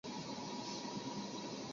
耶涯大坝则位在此镇。